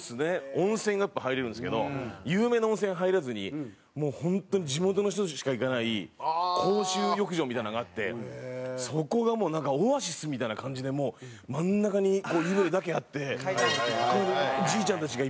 温泉がやっぱ入れるんですけど有名な温泉入らずにもう本当に地元の人しか行かない公衆浴場みたいなのがあってそこがオアシスみたいな感じでもう真ん中に湯船だけあっておじいちゃんたちがいっぱいいて。